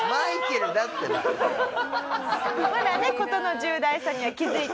まだね事の重大さには気づいておりません。